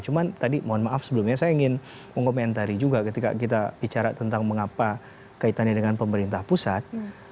cuma tadi mohon maaf sebelumnya saya ingin mengomentari juga ketika kita bicara tentang mengapa kaitannya dengan pemerintah pusat